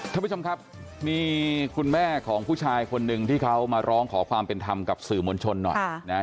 ท่านผู้ชมครับมีคุณแม่ของผู้ชายคนหนึ่งที่เขามาร้องขอความเป็นธรรมกับสื่อมวลชนหน่อยนะฮะ